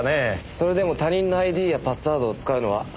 それでも他人のＩＤやパスワードを使うのは犯罪です。